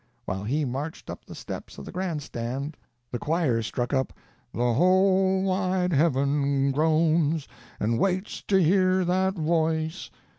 While he marched up the steps of the Grand Stand, the choir struck up,— "The whole wide heaven groans, And waits to hear that voice."